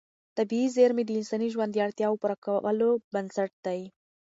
طبیعي زېرمې د انساني ژوند د اړتیاوو پوره کولو بنسټ دي.